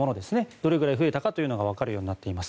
どれぐらい増えたかというのがわかるようになっています。